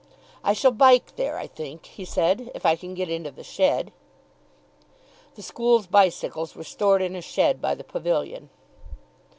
"I shall bike there, I think," he said, "if I can get into the shed." The school's bicycles were stored in a shed by the pavilion.